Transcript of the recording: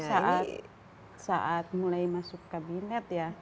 saat mulai masuk kabinet ya